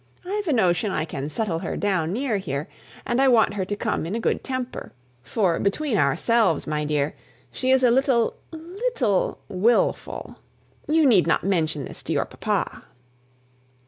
I've a notion I can settle her down near here; and I want her to come in a good temper; for, between ourselves, my dear, she is a little, leetle wilful. You need not mention this to your papa."